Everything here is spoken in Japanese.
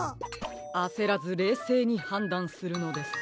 あせらずれいせいにはんだんするのです。